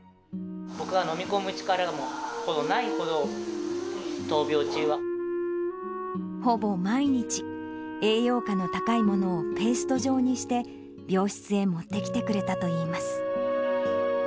僕は飲み込む力がほぼないほほぼ毎日、栄養価の高いものをペースト状にして、病室へ持ってきてくれたといいます。